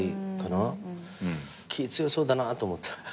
気ぃ強そうだなと思った。